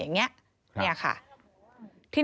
ที่อ๊อฟวัย๒๓ปี